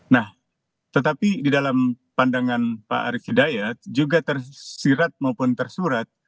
nah tetapi di dalam pandangan pak arief hidayat juga tersirat maupun tersurat